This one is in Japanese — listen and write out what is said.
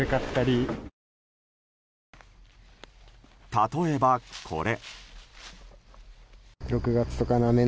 例えば、これ。